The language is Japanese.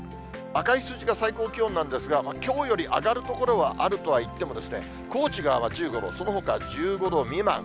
赤い数字が最高気温なんですが、きょうより上がる所はあるとはいっても、高知が１５度、そのほかは１５度未満。